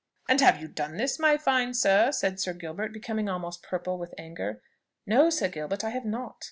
"And have you done this, my fine sir?" said Sir Gilbert, becoming almost purple with anger. "No, Sir Gilbert, I have not."